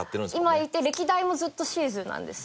今いて歴代もずっとシーズーなんですよ。